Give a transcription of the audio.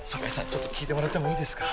ちょっと聞いてもらってもいいですか？